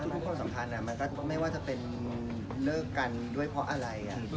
เพราะจริงแล้วทุกคนสำคัญไม่ว่าจะเป็นเลิกกันด้วยเพราะอะไร